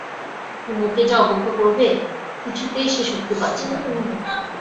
কুমুকে যে অবজ্ঞা করবে কিছুতেই সে শক্তি পাচ্ছে না।